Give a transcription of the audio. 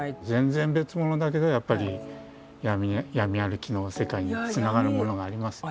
全然別物だけどやっぱり闇歩きの世界につながるものがありますよね。